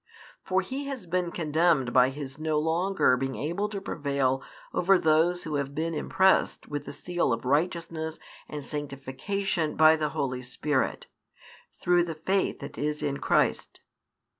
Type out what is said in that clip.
For he has been condemned by his no longer being able to prevail over those who have been impressed with the seal of righteousness and sanctification by the Holy |447 Spirit, through the faith that is in Christ.